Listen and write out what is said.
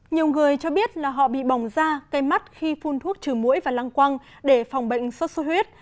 nhiều người cho biết là họ bị bỏng da cây mắt khi phun thuốc trừ mũi và lăng quăng để phòng bệnh sốt sốt huyết